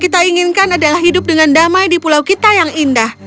kita inginkan adalah hidup dengan damai di pulau kita yang indah